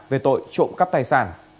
về tội trộm cắp tài sản